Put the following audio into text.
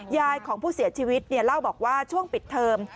ยายของผู้เสียชีวิตเล่าบอกว่าช่วงปิดเทอม